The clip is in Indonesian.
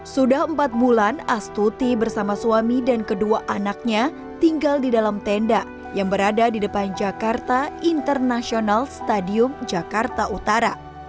sudah empat bulan astuti bersama suami dan kedua anaknya tinggal di dalam tenda yang berada di depan jakarta international stadium jakarta utara